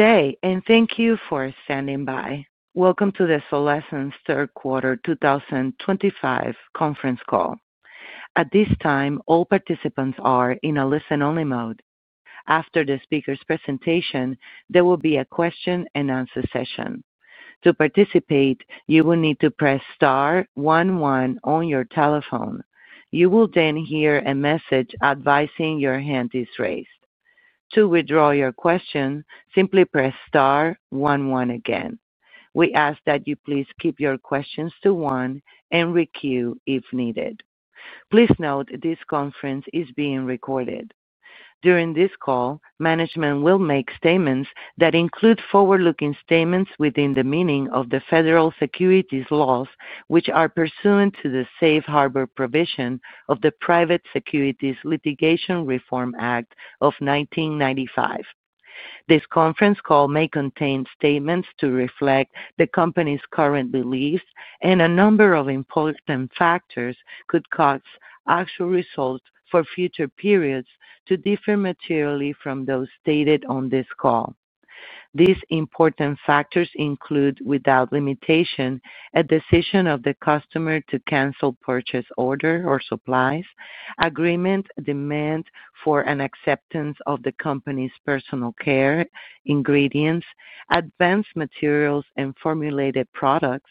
Good day, and thank you for standing by. Welcome to the Solésence Third Quarter 2025 conference call. At this time, all participants are in a listen-only mode. After the speaker's presentation, there will be a question-and-answer session. To participate, you will need to press star 1-1 on your telephone. You will then hear a message advising your hand is raised. To withdraw your question, simply press star 1-1 again. We ask that you please keep your questions to one and re-queue if needed. Please note this conference is being recorded. During this call, management will make statements that include forward-looking statements within the meaning of the federal securities laws which are pursuant to the safe harbor provision of the Private Securities Litigation Reform Act of 1995. This conference call may contain statements to reflect the company's current beliefs, and a number of important factors could cause actual results for future periods to differ materially from those stated on this call. These important factors include, without limitation, a decision of the customer to cancel purchase order or supplies, agreement demand for and acceptance of the company's personal care, ingredients, advanced materials and formulated products,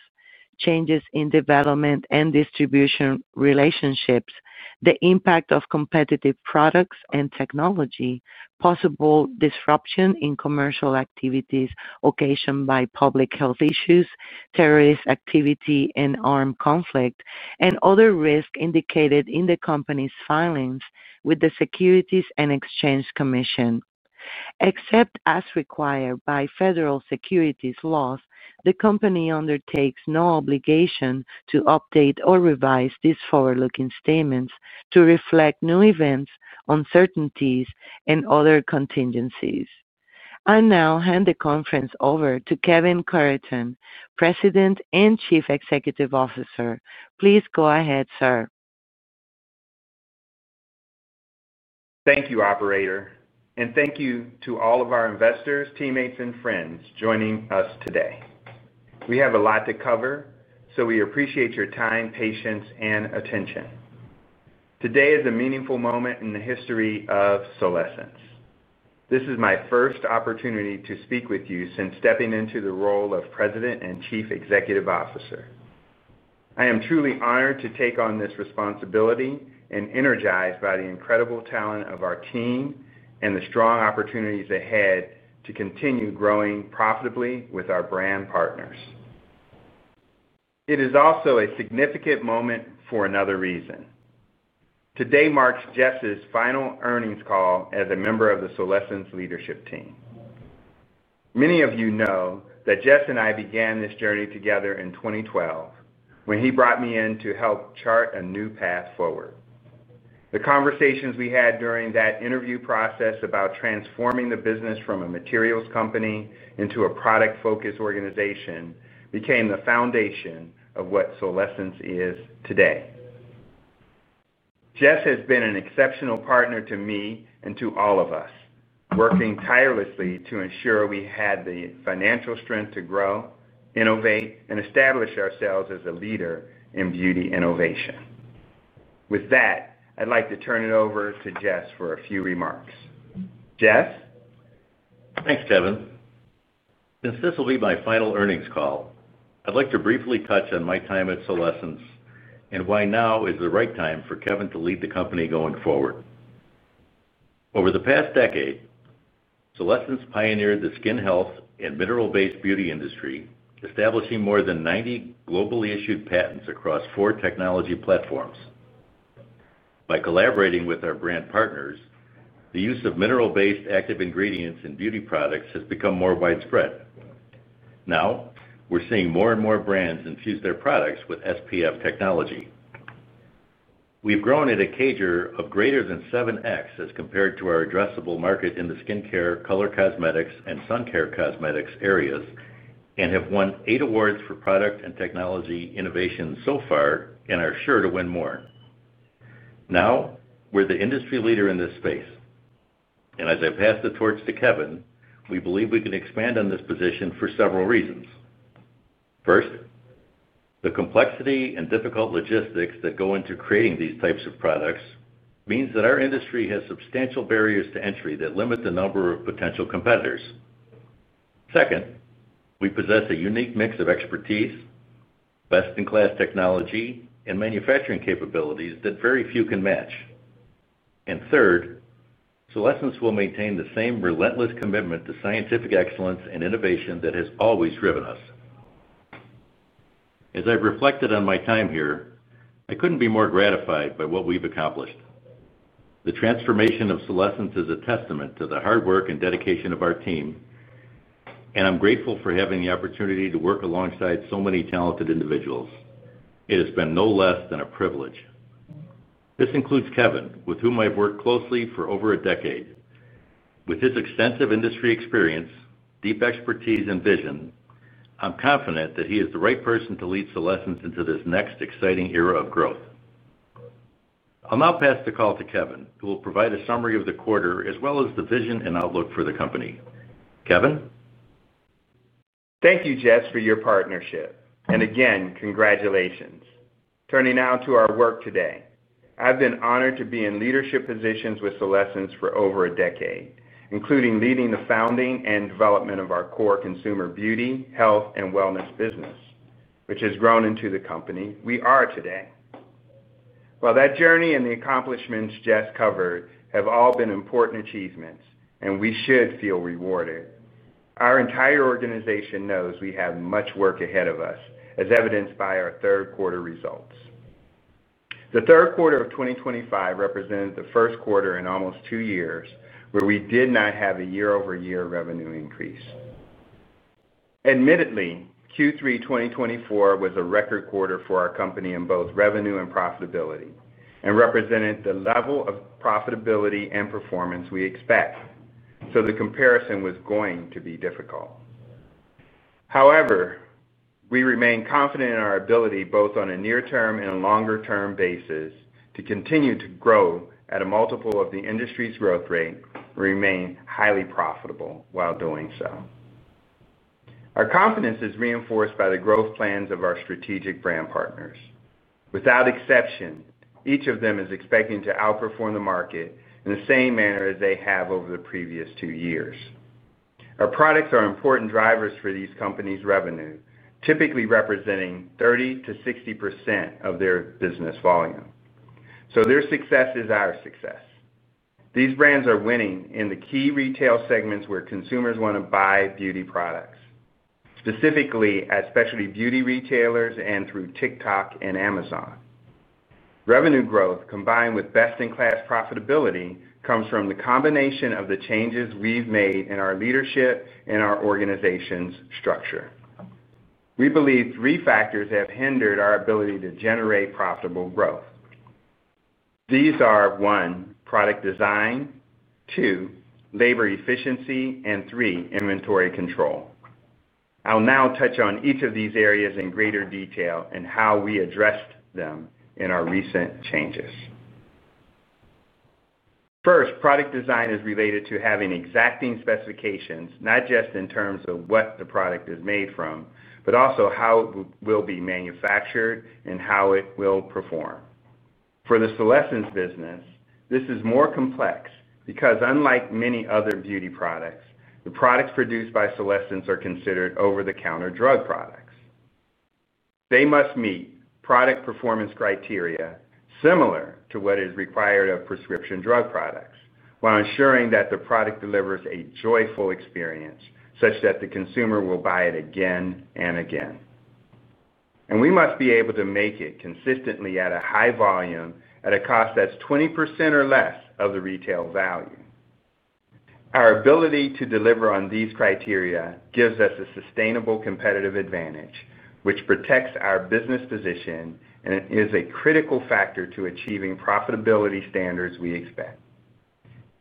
changes in development and distribution relationships, the impact of competitive products and technology, possible disruption in commercial activities occasioned by public health issues, terrorist activity and armed conflict, and other risks indicated in the company's filings with the Securities and Exchange Commission. Except as required by Federal Securities Laws, the company undertakes no obligation to update or revise these forward-looking statements to reflect new events, uncertainties, and other contingencies. I now hand the conference over to Kevin Cureton, President and Chief Executive Officer. Please go ahead, sir. Thank you, Operator. Thank you to all of our investors, teammates, and friends joining us today. We have a lot to cover, so we appreciate your time, patience, and attention. Today is a meaningful moment in the history of Solésence. This is my first opportunity to speak with you since stepping into the role of President and Chief Executive Officer. I am truly honored to take on this responsibility and energized by the incredible talent of our team and the strong opportunities ahead to continue growing profitably with our brand partners. It is also a significant moment for another reason. Today marks Jess's final earnings call as a member of the Solésence leadership team. Many of you know that Jess and I began this journey together in 2012 when he brought me in to help chart a new path forward. The conversations we had during that interview process about transforming the business from a materials company into a product-focused organization became the foundation of what Solésence is today. Jess has been an exceptional partner to me and to all of us, working tirelessly to ensure we had the financial strength to grow, innovate, and establish ourselves as a leader in beauty innovation. With that, I'd like to turn it over to Jess for a few remarks. Jess? Thanks, Kevin. Since this will be my final earnings call, I'd like to briefly touch on my time at Solésence and why now is the right time for Kevin to lead the company going forward. Over the past decade, Solésence pioneered the skin health and mineral-based beauty industry, establishing more than 90 globally issued patents across four technology platforms. By collaborating with our brand partners, the use of mineral-based active ingredients in beauty products has become more widespread. Now, we're seeing more and more brands infuse their products with SPF technology. We've grown at a CAGR of greater than 7x as compared to our addressable market in the skincare, color cosmetics, and sun care cosmetics areas and have won eight awards for product and technology innovation so far and are sure to win more. Now, we're the industry leader in this space. As I pass the torch to Kevin, we believe we can expand on this position for several reasons. First, the complexity and difficult logistics that go into creating these types of products means that our industry has substantial barriers to entry that limit the number of potential competitors. Second, we possess a unique mix of expertise, best-in-class technology, and manufacturing capabilities that very few can match. Third, Solésence will maintain the same relentless commitment to scientific excellence and innovation that has always driven us. As I've reflected on my time here, I couldn't be more gratified by what we've accomplished. The transformation of Solésence is a testament to the hard work and dedication of our team, and I'm grateful for having the opportunity to work alongside so many talented individuals. It has been no less than a privilege. This includes Kevin, with whom I've worked closely for over a decade. With his extensive industry experience, deep expertise, and vision, I'm confident that he is the right person to lead Solésence into this next exciting era of growth. I'll now pass the call to Kevin, who will provide a summary of the quarter as well as the vision and outlook for the company. Kevin? Thank you, Jess, for your partnership. Again, congratulations. Turning now to our work today. I've been honored to be in leadership positions with Solésence for over a decade, including leading the founding and development of our core consumer beauty, health, and wellness business, which has grown into the company we are today. While that journey and the accomplishments Jess covered have all been important achievements, and we should feel rewarded, our entire organization knows we have much work ahead of us, as evidenced by our third quarter results. The third quarter of 2025 represented the first quarter in almost two years where we did not have a year-over-year revenue increase. Admittedly, Q3 2024 was a record quarter for our company in both revenue and profitability and represented the level of profitability and performance we expect, so the comparison was going to be difficult. However, we remain confident in our ability both on a near-term and longer-term basis to continue to grow at a multiple of the industry's growth rate and remain highly profitable while doing so. Our confidence is reinforced by the growth plans of our strategic brand partners. Without exception, each of them is expecting to outperform the market in the same manner as they have over the previous two years. Our products are important drivers for these companies' revenue, typically representing 30-60% of their business volume. So their success is our success. These brands are winning in the key retail segments where consumers want to buy beauty products, specifically at specialty beauty retailers and through TikTok and Amazon. Revenue growth, combined with best-in-class profitability, comes from the combination of the changes we've made in our leadership and our organization's structure. We believe three factors have hindered our ability to generate profitable growth. These are, one, product design; two, labor efficiency; and three, inventory control. I'll now touch on each of these areas in greater detail and how we addressed them in our recent changes. First, product design is related to having exacting specifications, not just in terms of what the product is made from, but also how it will be manufactured and how it will perform. For the Solésence business, this is more complex because, unlike many other beauty products, the products produced by Solésence are considered over-the-counter drug products. They must meet product performance criteria similar to what is required of prescription drug products while ensuring that the product delivers a joyful experience such that the consumer will buy it again and again. We must be able to make it consistently at a high volume at a cost that is 20% or less of the retail value. Our ability to deliver on these criteria gives us a sustainable competitive advantage, which protects our business position and is a critical factor to achieving profitability standards we expect.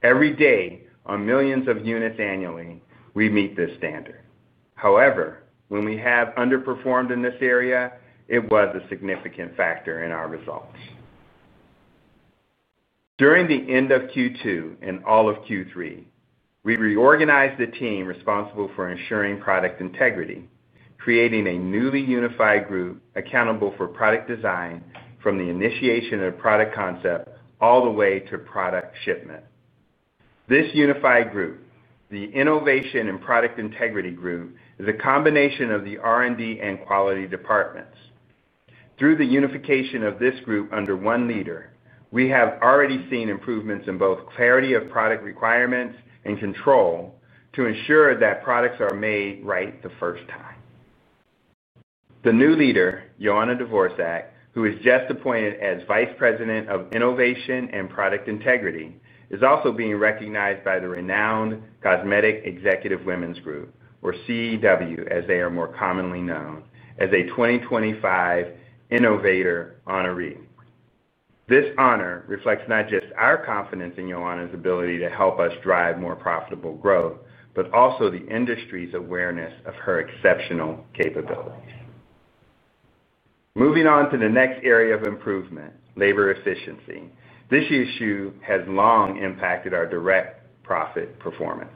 Every day, on millions of units annually, we meet this standard. However, when we have underperformed in this area, it was a significant factor in our results. During the end of Q2 and all of Q3, we reorganized the team responsible for ensuring product integrity, creating a newly unified group accountable for product design from the initiation of product concept all the way to product shipment. This unified group, the Innovation and Product Integrity Group, is a combination of the R&D and quality departments. Through the unification of this group under one leader, we have already seen improvements in both clarity of product requirements and control to ensure that products are made right the first time. The new leader, Yana Dvorak, who is just appointed as Vice President of Innovation and Product Integrity, is also being recognized by the renowned Cosmetic Executive Women's Group, or CEW, as they are more commonly known, as a 2025 Innovator Honoree. This honor reflects not just our confidence in Yana's ability to help us drive more profitable growth, but also the industry's awareness of her exceptional capabilities. Moving on to the next area of improvement, labor efficiency. This issue has long impacted our direct profit performance.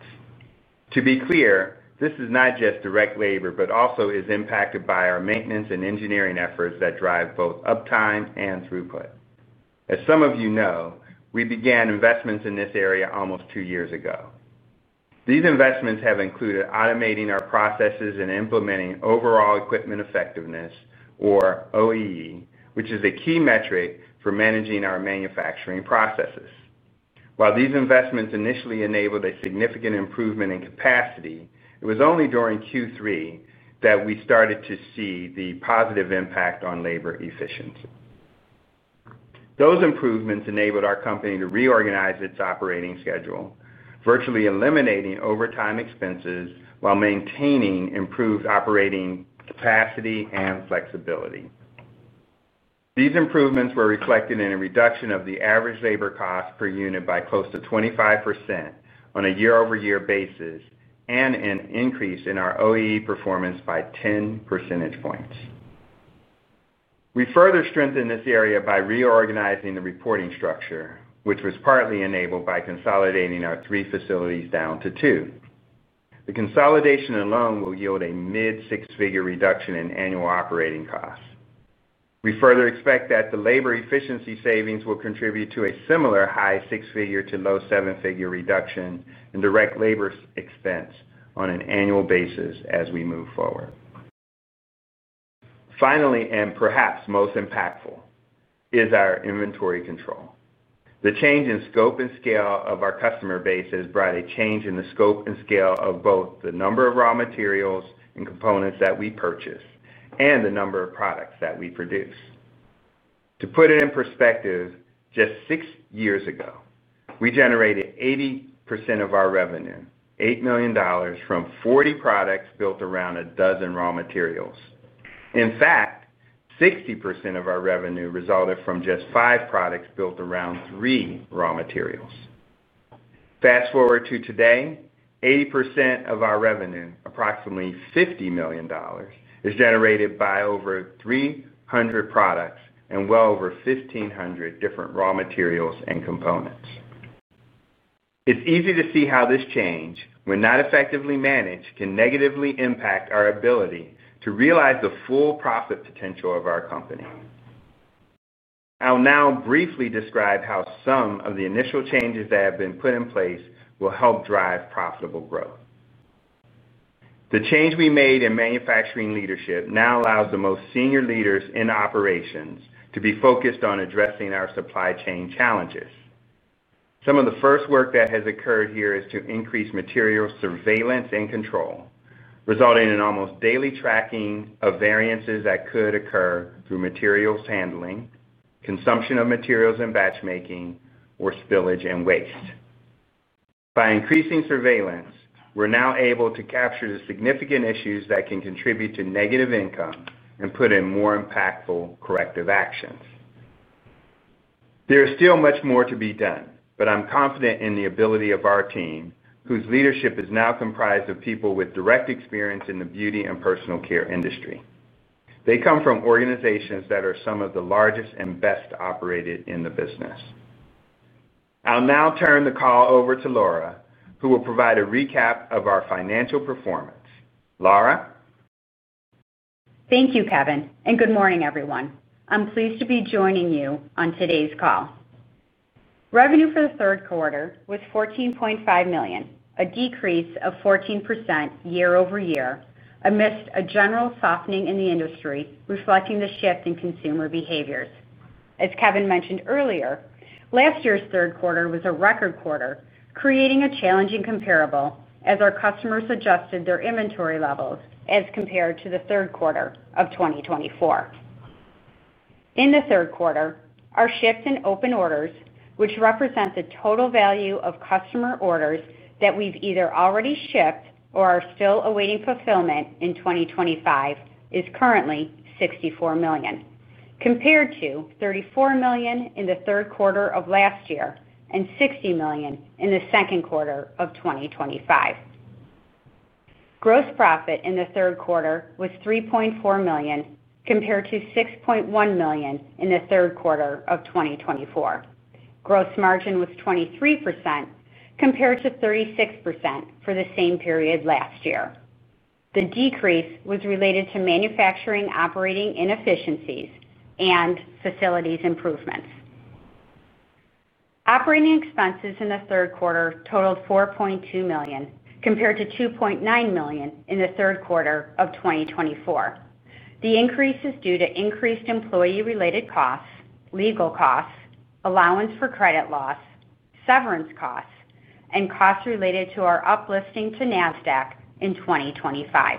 To be clear, this is not just direct labor, but also is impacted by our maintenance and engineering efforts that drive both uptime and throughput. As some of you know, we began investments in this area almost two years ago. These investments have included automating our processes and implementing Overall Equipment Effectiveness, or OEE, which is a key metric for managing our manufacturing processes. While these investments initially enabled a significant improvement in capacity, it was only during Q3 that we started to see the positive impact on labor efficiency. Those improvements enabled our company to reorganize its operating schedule, virtually eliminating overtime expenses while maintaining improved operating capacity and flexibility. These improvements were reflected in a reduction of the average labor cost per unit by close to 25% on a year-over-year basis and an increase in our OEE performance by 10 percentage points. We further strengthened this area by reorganizing the reporting structure, which was partly enabled by consolidating our three facilities down to two. The consolidation alone will yield a mid-six figure reduction in annual operating costs. We further expect that the labor efficiency savings will contribute to a similar high six-figure to low seven-figure reduction in direct labor expense on an annual basis as we move forward. Finally, and perhaps most impactful, is our inventory control. The change in scope and scale of our customer base has brought a change in the scope and scale of both the number of raw materials and components that we purchase and the number of products that we produce. To put it in perspective, just six years ago, we generated 80% of our revenue, $8 million, from 40 products built around a dozen raw materials. In fact, 60% of our revenue resulted from just five products built around three raw materials. Fast forward to today, 80% of our revenue, approximately $50 million, is generated by over 300 products and well over 1,500 different raw materials and components. It's easy to see how this change, when not effectively managed, can negatively impact our ability to realize the full profit potential of our company. I'll now briefly describe how some of the initial changes that have been put in place will help drive profitable growth. The change we made in manufacturing leadership now allows the most senior leaders in operations to be focused on addressing our supply chain challenges. Some of the first work that has occurred here is to increase material surveillance and control, resulting in almost daily tracking of variances that could occur through materials handling, consumption of materials in batch making, or spillage and waste. By increasing surveillance, we're now able to capture the significant issues that can contribute to negative income and put in more impactful corrective actions. There is still much more to be done, but I'm confident in the ability of our team, whose leadership is now comprised of people with direct experience in the beauty and personal care industry. They come from organizations that are some of the largest and best operated in the business. I'll now turn the call over to Laura, who will provide a recap of our financial performance. Laura Thank you, Kevin. Good morning, everyone. I'm pleased to be joining you on today's call. Revenue for the third quarter was $14.5 million, a decrease of 14% year-over-year, amidst a general softening in the industry reflecting the shift in consumer behaviors. As Kevin mentioned earlier, last year's third quarter was a record quarter, creating a challenging comparable as our customers adjusted their inventory levels as compared to the third quarter of 2024. In the third quarter, our shift in open orders, which represent the total value of customer orders that we've either already shipped or are still awaiting fulfillment in 2025, is currently $64 million, compared to $34 million in the third quarter of last year and $60 million in the second quarter of 2025. Gross profit in the third quarter was $3.4 million compared to $6.1 million in the third quarter of 2024. Gross margin was 23% compared to 36% for the same period last year. The decrease was related to manufacturing operating inefficiencies and facilities improvements. Operating expenses in the third quarter totaled $4.2 million compared to $2.9 million in the third quarter of 2024. The increase is due to increased employee-related costs, legal costs, allowance for credit loss, severance costs, and costs related to our uplisting to Nasqad in 2025.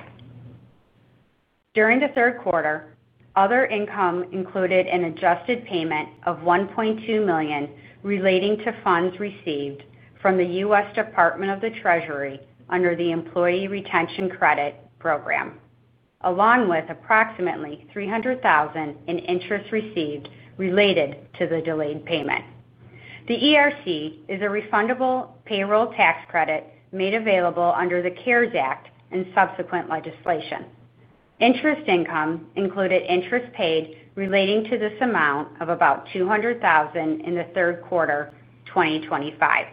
During the third quarter, other income included an adjusted payment of $1.2 million relating to funds received from the U.S. Department of the Treasury under the Employee Retention Credit Program, along with approximately $300,000 in interest received related to the delayed payment. The ERC is a refundable payroll tax credit made available under the CARES Act and subsequent legislation. Interest income included interest paid relating to this amount of about $200,000 in the third quarter 2025.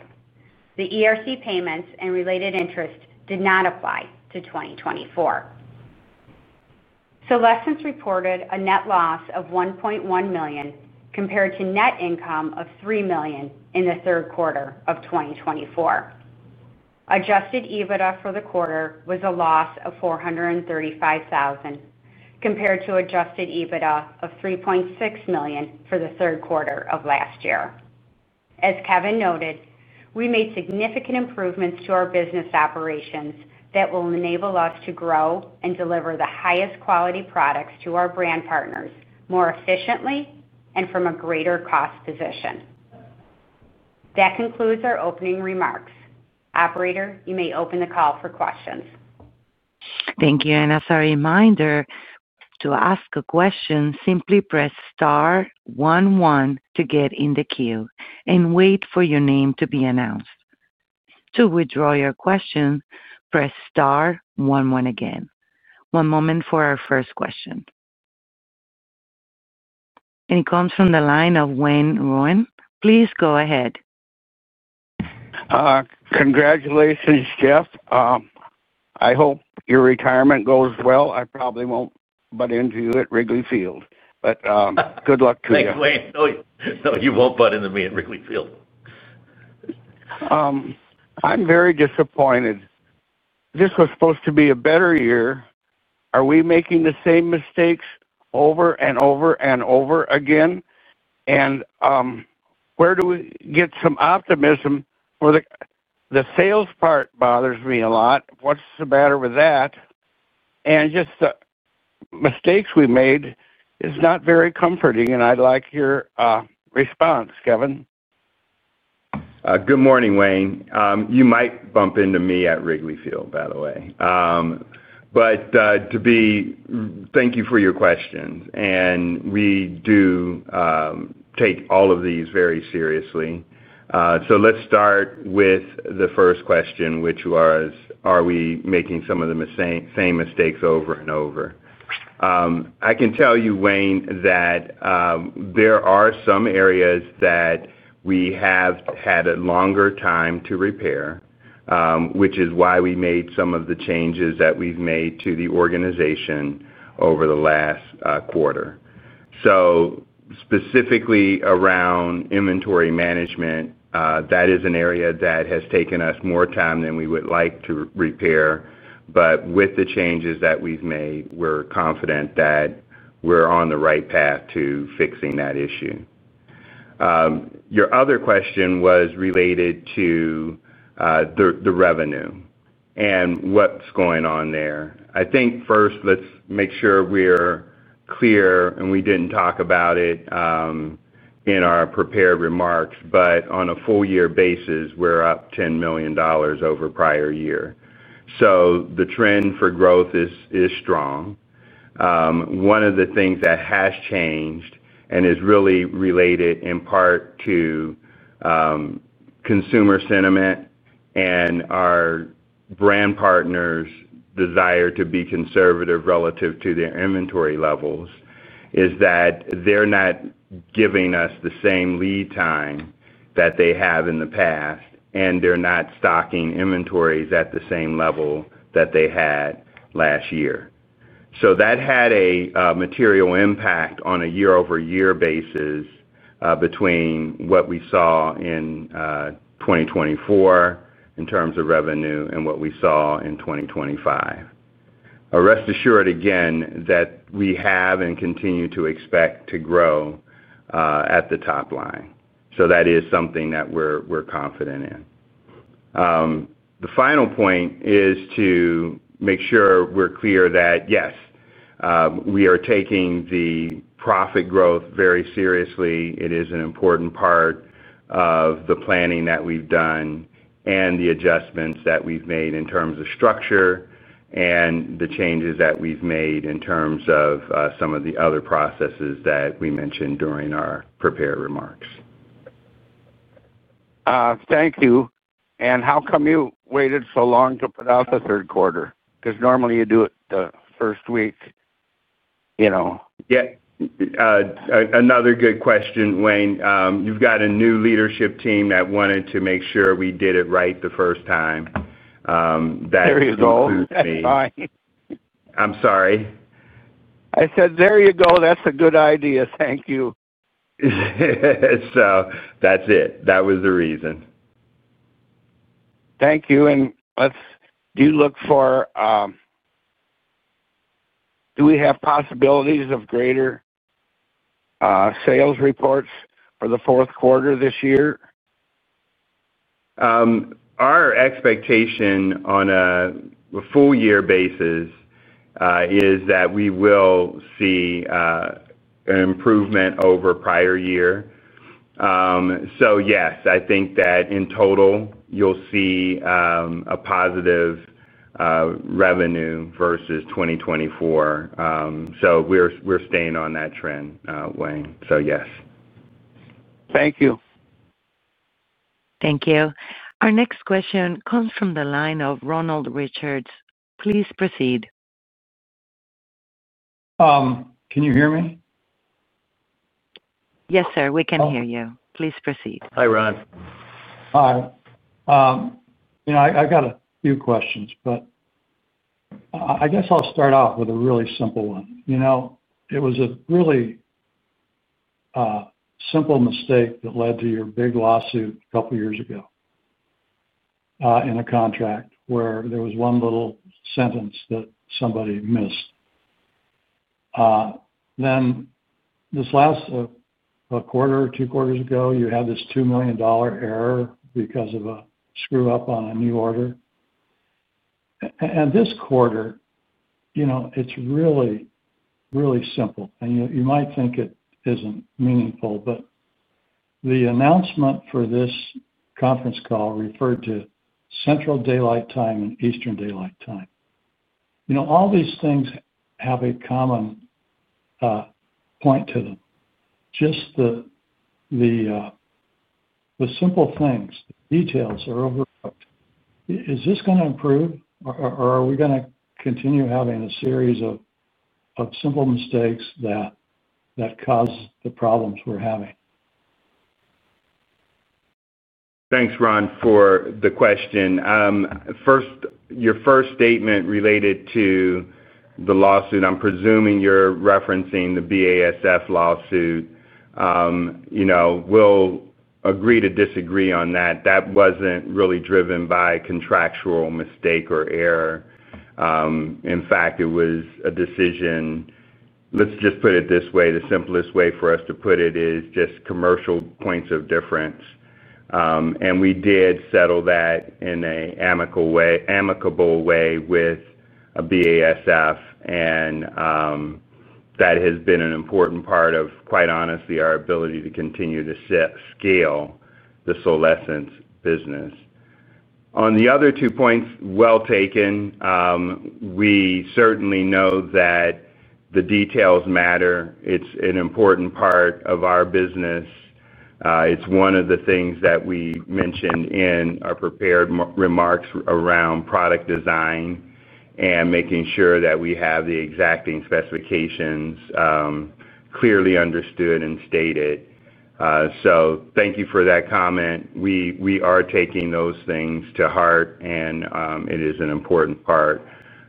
The ERC payments and related interest did not apply to 2024. Solésence reported a net loss of $1.1 million compared to net income of $3 million in the third quarter of 2024. Adjusted EBITDA for the quarter was a loss of $435,000 compared to adjusted EBITDA of $3.6 million for the third quarter of last year. As Kevin noted, we made significant improvements to our business operations that will enable us to grow and deliver the highest quality products to our brand partners more efficiently and from a greater cost position. That concludes our opening remarks. Operator, you may open the call for questions. Thank you. As a reminder, to ask a question, simply press star 11 to get in the queue and wait for your name to be announced. To withdraw your question, press star 11 again. One moment for our first question. It comes from the line of Wayne Rowan. Please go ahead. Congratulations, Jess. I hope your retirement goes well. I probably won't butt into you at Wrigley Field. But good luck to you. No, you won't butt into me at Wrigley Field. I'm very disappointed. This was supposed to be a better year. Are we making the same mistakes over and over again? Where do we get some optimism for the sales part? It bothers me a lot. What's the matter with that? The mistakes we made are not very comforting. I'd like your response, Kevin. Good morning, Wayne. You might bump into me at Wrigley Field, by the way. Thank you for your questions. We do take all of these very seriously. Let's start with the first question, which was, are we making some of the same mistakes over and over? I can tell you, Wayne, that there are some areas that we have had a longer time to repair, which is why we made some of the changes that we've made to the organization over the last quarter. Specifically around inventory management, that is an area that has taken us more time than we would like to repair. With the changes that we've made, we're confident that we're on the right path to fixing that issue. Your other question was related to the revenue and what's going on there. I think first, let's make sure we're clear, and we didn't talk about it in our prepared remarks, but on a full-year basis, we're up $10 million over the prior year. The trend for growth is strong. One of the things that has changed and is really related in part to consumer sentiment and our brand partners' desire to be conservative relative to their inventory levels is that they're not giving us the same lead time that they have in the past, and they're not stocking inventories at the same level that they had last year. That had a material impact on a year-over-year basis between what we saw in 2024 in terms of revenue and what we saw in 2025. I rest assured again that we have and continue to expect to grow at the top line. That is something that we're confident in. The final point is to make sure we're clear that, yes, we are taking the profit growth very seriously. It is an important part of the planning that we've done and the adjustments that we've made in terms of structure and the changes that we've made in terms of some of the other processes that we mentioned during our prepared remarks. Thank you. How come you waited so long to put out the third quarter? Because normally you do it the first week. Yep. Another good question, Wayne. You've got a new leadership team that wanted to make sure we did it right the first time. That confused me. There you go. That's fine. I'm sorry. I said, "There you go. That's a good idea. Thank you. That's it. That was the reason. Thank you. Do you look for do we have possibilities of greater sales reports for the fourth quarter this year? Our expectation on a full-year basis is that we will see an improvement over the prior year. Yes, I think that in total, you'll see a positive revenue versus 2024. We're staying on that trend, Wayne. Yes. Thank you. Thank you. Our next question comes from the line of Ronald Richards. Please proceed. Can you hear me? Yes, sir. We can hear you. Please proceed. Hi, Ron. Hi. I've got a few questions, but I guess I'll start off with a really simple one. It was a really simple mistake that led to your big lawsuit a couple of years ago in a contract where there was one little sentence that somebody missed. Then this last quarter or two quarters ago, you had this $2 million error because of a screw-up on a new order. And this quarter, it's really, really simple. You might think it isn't meaningful, but the announcement for this conference call referred to Central Daylight Time and Eastern Daylight Time. All these things have a common point to them. Just the simple things, the details are overlooked. Is this going to improve, or are we going to continue having a series of simple mistakes that cause the problems we're having? Thanks, Ron, for the question. Your first statement related to the lawsuit, I'm presuming you're referencing the BASF lawsuit. We'll agree to disagree on that. That wasn't really driven by contractual mistake or error. In fact, it was a decision—let's just put it this way—the simplest way for us to put it is just commercial points of difference. We did settle that in an amicable way with BASF. That has been an important part of, quite honestly, our ability to continue to scale the Solesence business. On the other two points, well taken. We certainly know that the details matter. It's an important part of our business. It's one of the things that we mentioned in our prepared remarks around product design and making sure that we have the exacting specifications clearly understood and stated. Thank you for that comment. We are taking those things to heart, and it is an important part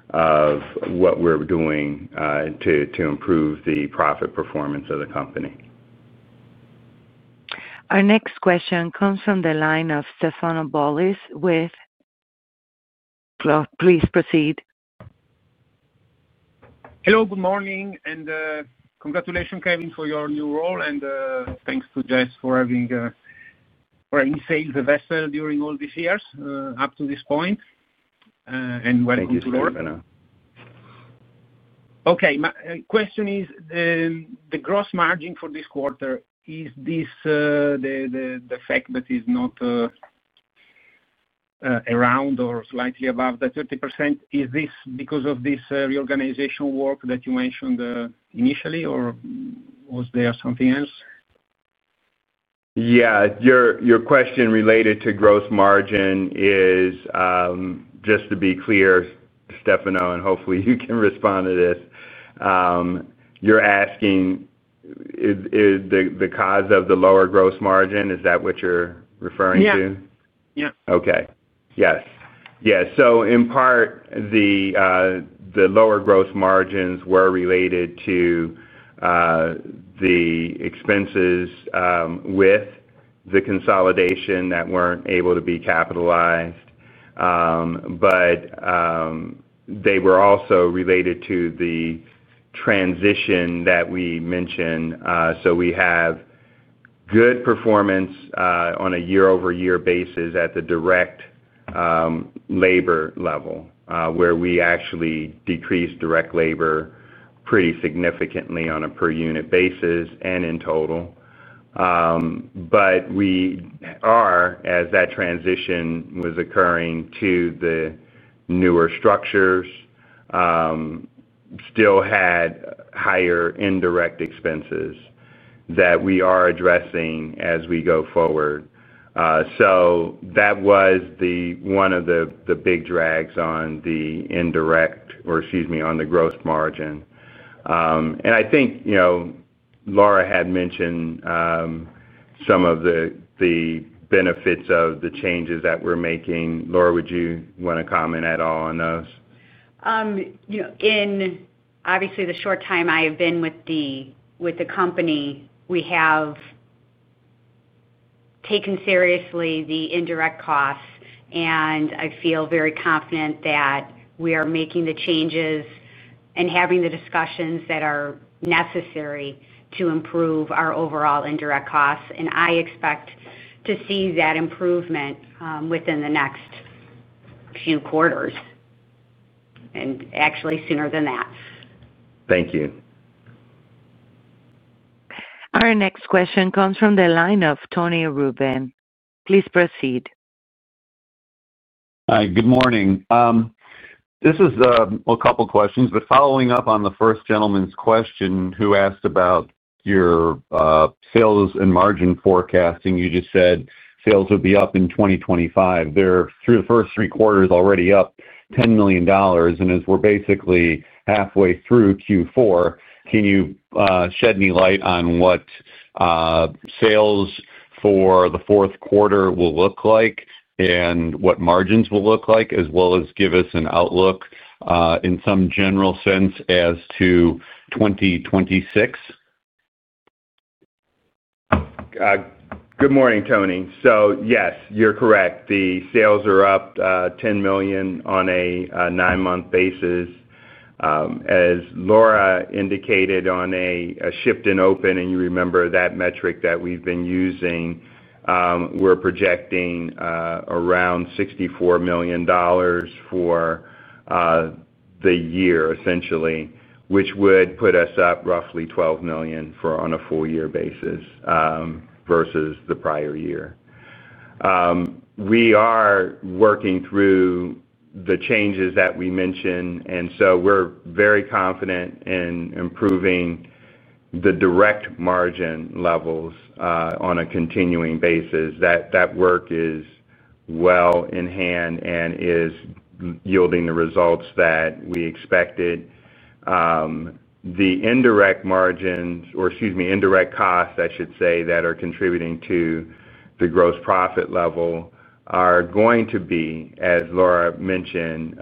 of what we're doing to improve the profit performance of the company. Our next question comes from the line of Stefano Bolis with—please proceed. Hello. Good morning. Congratulations, Kevin, for your new role. Thanks to Jess for having sailed the vessel during all these years up to this point. Welcome to Laura. Thank you, Stefano Okay. Question is, the gross margin for this quarter, is this the fact that it's not around or slightly above the 30%? Is this because of this reorganization work that you mentioned initially, or was there something else? Yeah. Your question related to gross margin is, just to be clear, Stefano, and hopefully you can respond to this. You're asking the cause of the lower gross margin. Is that what you're referring to? Yeah. Yeah. Okay. Yes. Yes. In part, the lower gross margins were related to the expenses with the consolidation that were not able to be capitalized. They were also related to the transition that we mentioned. We have good performance on a year-over-year basis at the direct labor level, where we actually decreased direct labor pretty significantly on a per-unit basis and in total. As that transition was occurring to the newer structures, we still had higher indirect expenses that we are addressing as we go forward. That was one of the big drags on the indirect, or excuse me, on the gross margin. I think Laura had mentioned some of the benefits of the changes that we are making. Laura, would you want to comment at all on those? Obviously in the short time I have been with the company, we have taken seriously the indirect costs. I feel very confident that we are making the changes and having the discussions that are necessary to improve our overall indirect costs. I expect to see that improvement within the next few quarters and actually sooner than that. Thank you. Our next question comes from the line of Tony Ruben. Please proceed. Hi. Good morning. This is a couple of questions. Following up on the first gentleman's question who asked about your sales and margin forecasting, you just said sales would be up in 2025. They're, through the first three quarters, already up $10 million. As we're basically halfway through Q4, can you shed any light on what sales for the fourth quarter will look like and what margins will look like, as well as give us an outlook in some general sense as to 2026? Good morning, Tony. Yes, you're correct. The sales are up $10 million on a nine-month basis. As Laura indicated on a shift-in open, and you remember that metric that we've been using, we're projecting around $64 million for the year, essentially, which would put us up roughly $12 million on a full-year basis versus the prior year. We are working through the changes that we mentioned. We are very confident in improving the direct margin levels on a continuing basis. That work is well in hand and is yielding the results that we expected. The indirect margins, or excuse me, indirect costs, I should say, that are contributing to the gross profit level are going to be, as Laura mentioned,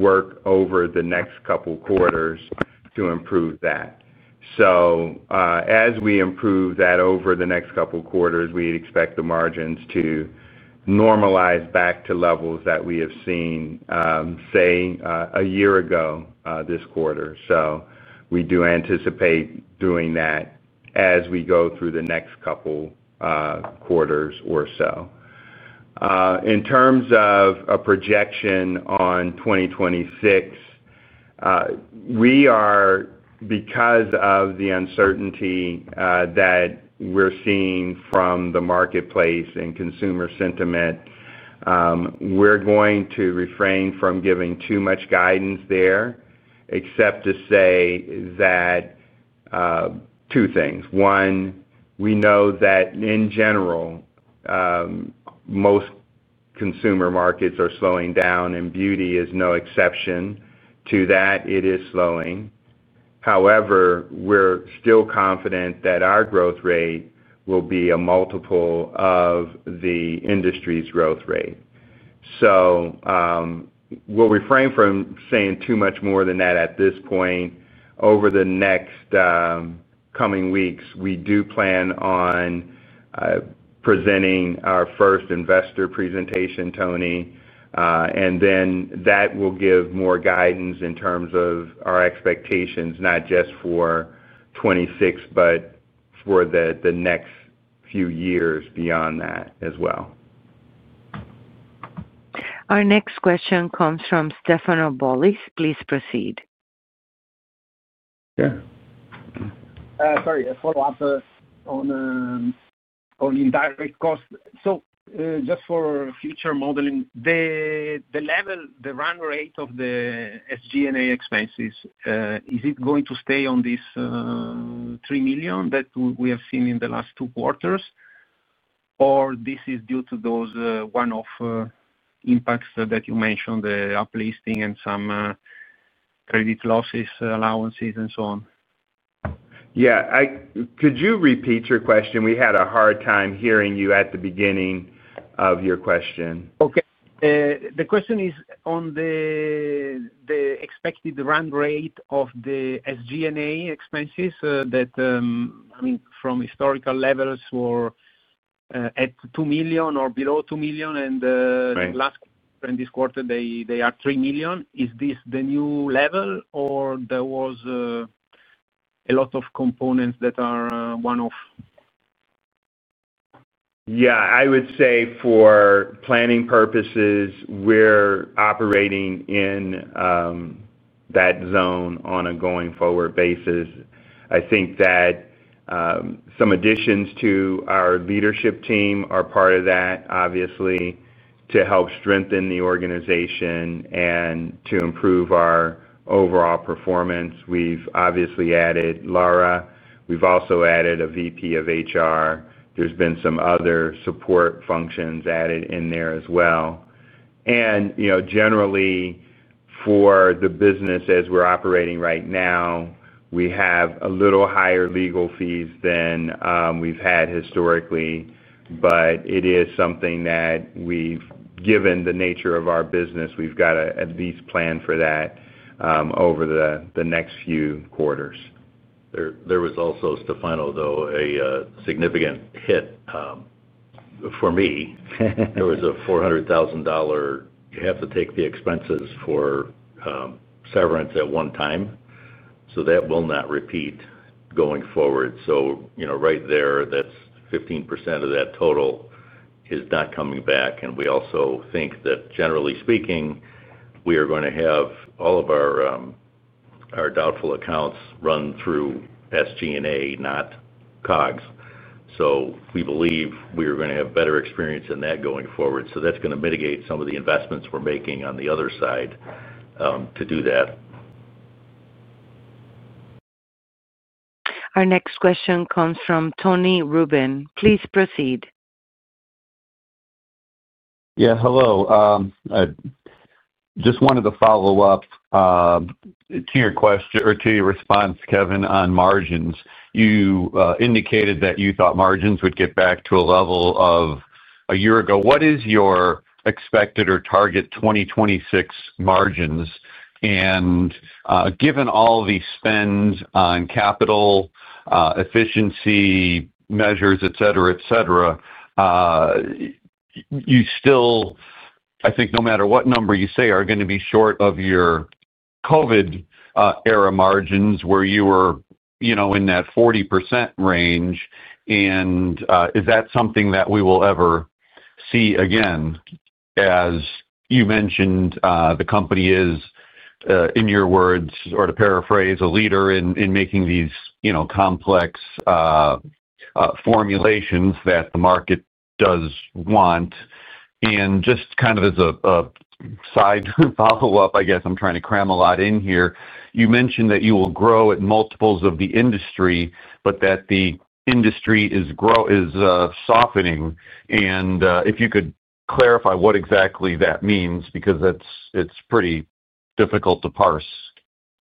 work over the next couple of quarters to improve that. As we improve that over the next couple of quarters, we expect the margins to normalize back to levels that we have seen, say, a year ago this quarter. We do anticipate doing that as we go through the next couple of quarters or so. In terms of a projection on 2026, because of the uncertainty that we're seeing from the marketplace and consumer sentiment, we're going to refrain from giving too much guidance there, except to say two things. One, we know that in general, most consumer markets are slowing down, and beauty is no exception to that. It is slowing. However, we're still confident that our growth rate will be a multiple of the industry's growth rate. We'll refrain from saying too much more than that at this point. Over the next coming weeks, we do plan on presenting our first investor presentation, Tony. That will give more guidance in terms of our expectations, not just for 2026, but for the next few years beyond that as well. Our next question comes from Stefano Bolis. Please proceed. Yeah. Sorry. A follow-up on the indirect cost. Just for future modeling, the run rate of the SG&A Expenses, is it going to stay on this $3 million that we have seen in the last two quarters, or is this due to those one-off impacts that you mentioned, the uplisting and some credit losses, allowances, and so on? Yeah. Could you repeat your question? We had a hard time hearing you at the beginning of your question. Okay. The question is on the expected run rate of the SG&A Expenses. That, I mean, from historical levels were at $2 million or below $2 million, and last quarter and this quarter, they are $3 million. Is this the new level, or there was a lot of components that are one-off? Yeah. I would say for planning purposes, we're operating in that zone on a going-forward basis. I think that some additions to our leadership team are part of that, obviously, to help strengthen the organization and to improve our overall performance. We've obviously added Laura. We've also added a VP of HR. There's been some other support functions added in there as well. Generally, for the business as we're operating right now, we have a little higher legal fees than we've had historically. It is something that, given the nature of our business, we've got to at least plan for that over the next few quarters. There was also, Stefano, though, a significant hit for me. There was a $400,000. You have to take the expenses for severance at one time. That will not repeat going forward. Right there, that's 15% of that total is not coming back. We also think that, generally speaking, we are going to have all of our doubtful accounts run through SG&A, not COGS. We believe we are going to have better experience in that going forward. That is going to mitigate some of the investments we are making on the other side to do that. Our next question comes from Tony Ruben. Please proceed. Yeah. Hello. Just wanted to follow up to your response to Kevin on margins. You indicated that you thought margins would get back to a level of a year ago. What is your expected or target 2026 margins? Given all the spends on capital efficiency measures, etc., etc., you still, I think no matter what number you say, are going to be short of your COVID-era margins where you were in that 40% range. Is that something that we will ever see again? As you mentioned, the company is, in your words, or to paraphrase, a leader in making these complex formulations that the market does want. Just kind of as a side follow-up, I guess I'm trying to cram a lot in here. You mentioned that you will grow at multiples of the industry, but that the industry is softening. If you could clarify what exactly that means, because it's pretty difficult to parse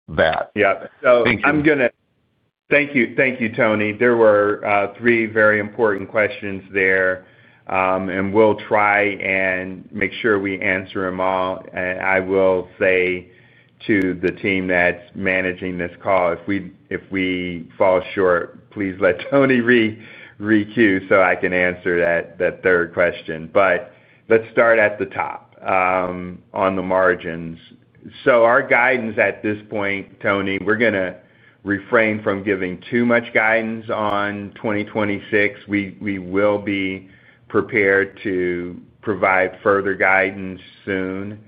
that. Yeah. I'm going to—thank you. Thank you, Tony. There were three very important questions there. We'll try and make sure we answer them all. I will say to the team that's managing this call, if we fall short, please let Tony re-queue so I can answer that third question. Let's start at the top on the margins. Our guidance at this point, Tony, we're going to refrain from giving too much guidance on 2026. We will be prepared to provide further guidance soon.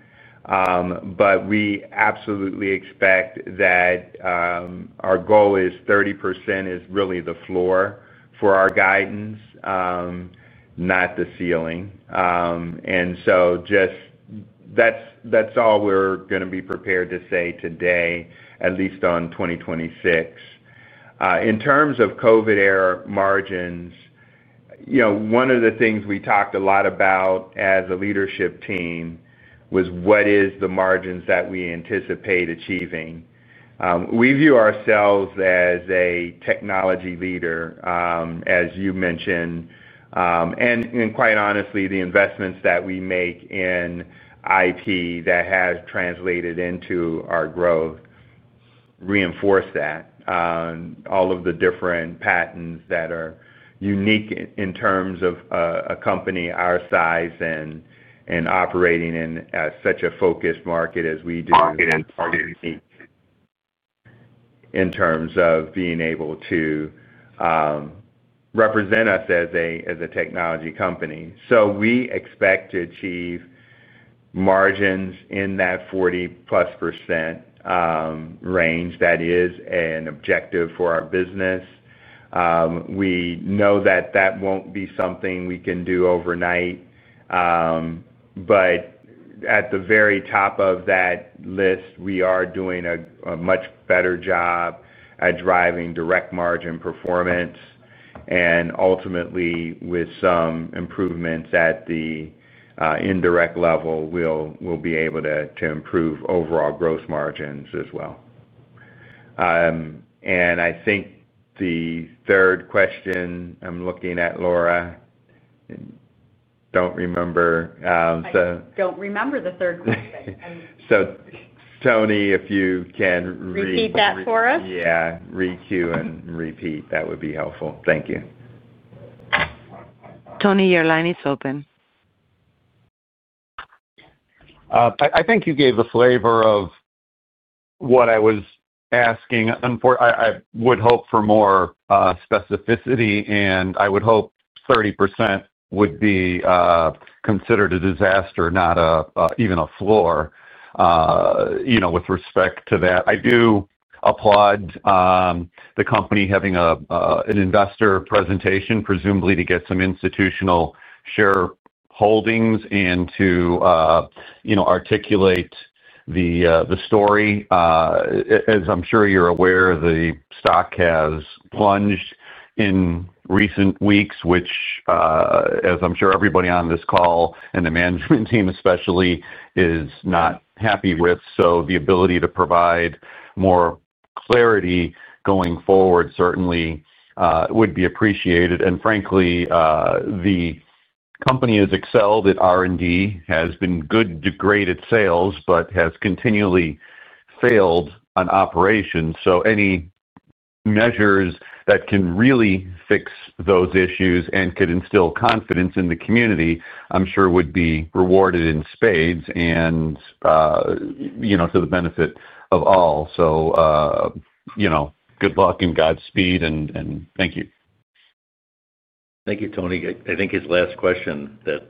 We absolutely expect that our goal is 30% is really the floor for our guidance, not the ceiling. That's all we're going to be prepared to say today, at least on 2026. In terms of COVID-era margins, one of the things we talked a lot about as a leadership team was what is the margins that we anticipate achieving. We view ourselves as a technology leader, as you mentioned. Quite honestly, the investments that we make in IP that have translated into our growth reinforce that. All of the different patents that are unique in terms of a company our size and operating in such a focused market as we do in terms of being able to represent us as a technology company. We expect to achieve margins in that 40% plus range that is an objective for our business. We know that that will not be something we can do overnight. At the very top of that list, we are doing a much better job at driving direct margin performance. Ultimately, with some improvements at the indirect level, we will be able to improve overall growth margins as well. I think the third question I am looking at, Laura, do not remember. I don't remember the third question. Tony, if you can re-. Repeat that for us? Yeah. Re-queue and repeat. That would be helpful. Thank you. Tony, your line is open. I think you gave the flavor of what I was asking. I would hope for more specificity. I would hope 30% would be considered a disaster, not even a floor with respect to that. I do applaud the company having an investor presentation, presumably to get some institutional shareholdings and to articulate the story. As I'm sure you're aware, the stock has plunged in recent weeks, which, as I'm sure everybody on this call and the management team especially is not happy with. The ability to provide more clarity going forward certainly would be appreciated. Frankly, the company has excelled at R&D, has been good to great at sales, but has continually failed on operations. Any measures that can really fix those issues and could instill confidence in the community, I'm sure would be rewarded in spades and to the benefit of all. Good luck and good speed. Thank you. Thank you, Tony. I think his last question that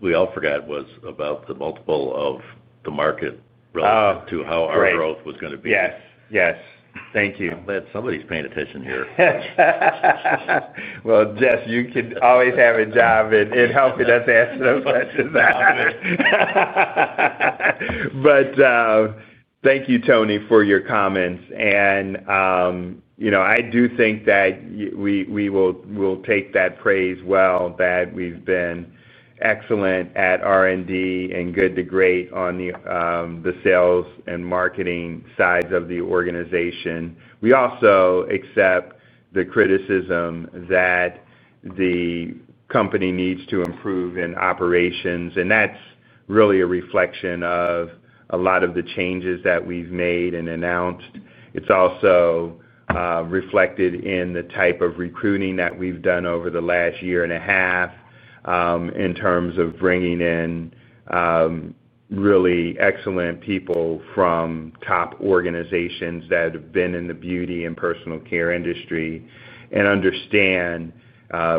we all forgot was about the multiple of the market relative to how our growth was going to be. Yes. Yes. Thank you. I'm glad somebody's paying attention here. Jess, you can always have a job in helping us answer those questions. Thank you, Tony, for your comments. I do think that we will take that praise well, that we've been excellent at R&D and good to great on the sales and marketing side of the organization. We also accept the criticism that the company needs to improve in operations. That's really a reflection of a lot of the changes that we've made and announced. It's also reflected in the type of recruiting that we've done over the last year and a half in terms of bringing in really excellent people from top organizations that have been in the beauty and personal care industry and understand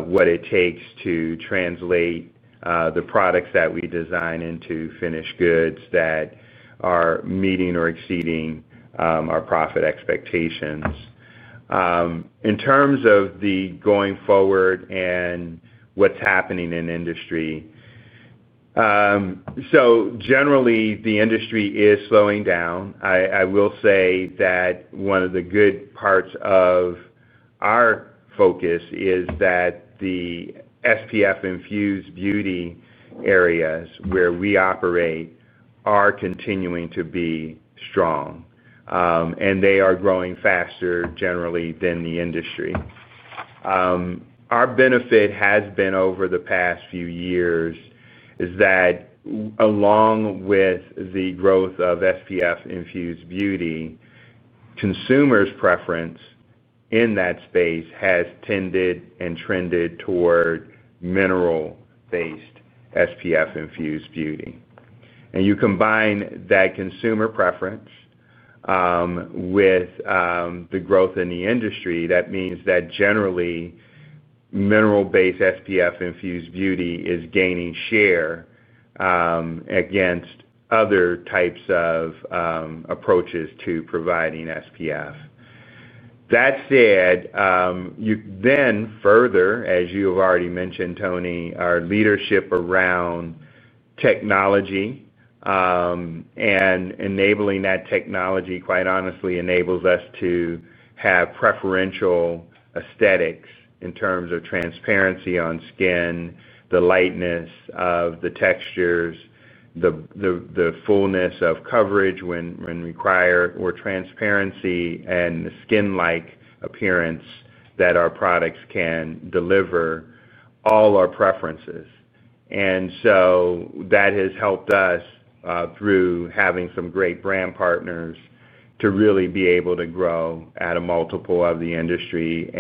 what it takes to translate the products that we design into finished goods that are meeting or exceeding our profit expectations. In terms of the going forward and what's happening in the industry, generally, the industry is slowing down. I will say that one of the good parts of our focus is that the SPF-Infused Beauty areas where we operate are continuing to be strong. They are growing faster generally than the industry. Our benefit has been over the past few years is that along with the growth of SPF-Infused Beauty, consumers' preference in that space has tended and trended toward mineral-based SPF-Infused Beauty. You combine that consumer preference with the growth in the industry, that means that generally, mineral-based SPF-Infused Beauty is gaining share against other types of approaches to providing SPF. That said, then further, as you have already mentioned, Tony, our leadership around technology and enabling that technology, quite honestly, enables us to have preferential aesthetics in terms of transparency on skin, the lightness of the textures, the fullness of coverage when required, or transparency and the skin-like appearance that our products can deliver, all are preferences. That has helped us through having some great brand partners to really be able to grow at a multiple of the industry.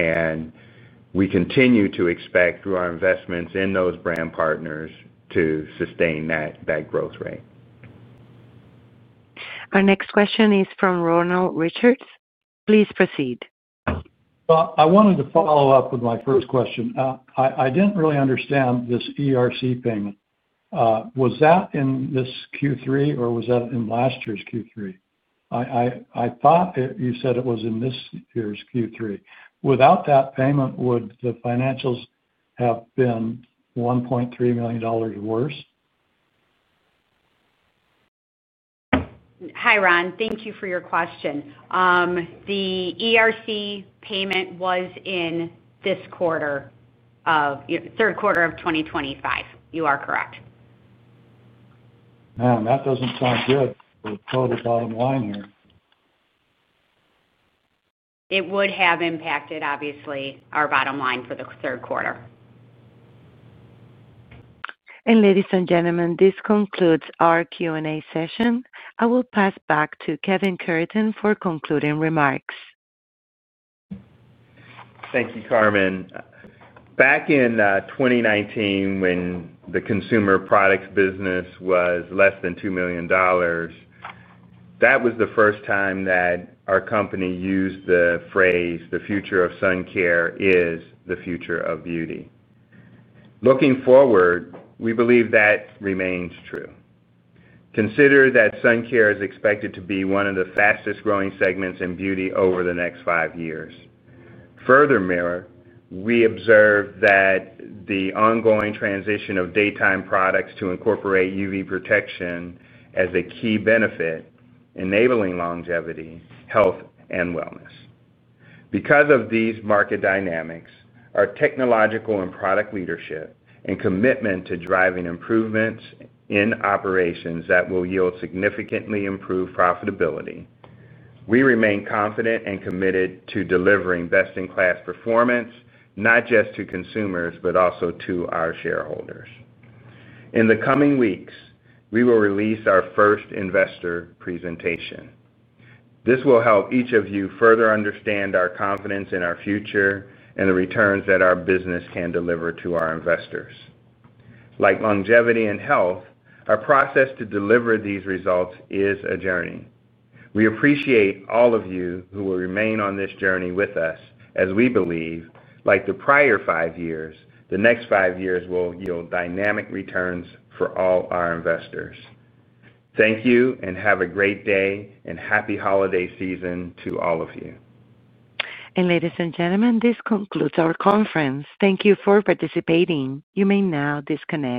We continue to expect through our investments in those brand partners to sustain that growth rate. Our next question is from Ronald Richards. Please proceed. I wanted to follow up with my first question. I didn't really understand this ERC payment. Was that in this Q3, or was that in last year's Q3? I thought you said it was in this year's Q3. Without that payment, would the financials have been $1.3 million worse? Hi, Ron. Thank you for your question. The ERC payment was in this quarter, third quarter of 2025. You are correct. Man, that doesn't sound good for total bottom line here. It would have impacted, obviously, our bottom line for the third quarter. Ladies and gentlemen, this concludes our Q&A session. I will pass back to Kevin Cureton for concluding remarks. Thank you, Carmen. Back in 2019, when the consumer products business was less than $2 million, that was the first time that our company used the phrase, "The future of sun care is the future of beauty." Looking forward, we believe that remains true. Consider that sun care is expected to be one of the fastest-growing segments in beauty over the next five years. Furthermore, we observe that the ongoing transition of daytime products to incorporate UV protection as a key benefit enabling longevity, health, and wellness. Because of these market dynamics, our technological and product leadership, and commitment to driving improvements in operations that will yield significantly improved profitability, we remain confident and committed to delivering best-in-class performance, not just to consumers, but also to our shareholders. In the coming weeks, we will release our first investor presentation. This will help each of you further understand our confidence in our future and the returns that our business can deliver to our investors. Like longevity and health, our process to deliver these results is a journey. We appreciate all of you who will remain on this journey with us, as we believe, like the prior five years, the next five years will yield dynamic returns for all our investors. Thank you, and have a great day and happy holiday season to all of you. Ladies and gentlemen, this concludes our conference. Thank you for participating. You may now disconnect.